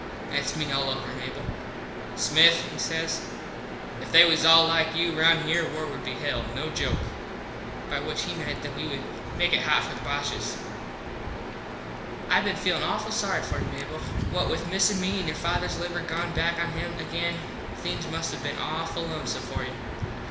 Thats me all over, Mable. "Smith" he says "If they was all like you round here war would be hell, no joke." By which he meant that we would make it hot for the Boshes. I been feelin awful sorry for you, Mable. What with missin me and your fathers liver gone back on him again things must have been awful lonesome for you.